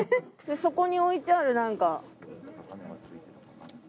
そこに置いてある何か。